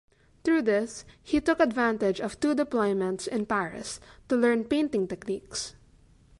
Through this, he took advantage of two deployments in Paris to learn painting techniques.